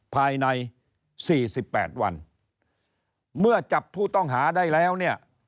ภายในสี่สิบแปดวันเมื่อจับผู้ต้องหาได้แล้วเนี่ย